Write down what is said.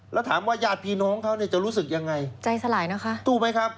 แล้วถามว่าญาติพี่น้องเขาเนี่ยจะรู้สึกยังไงใจสลายนะคะถูกไหมครับ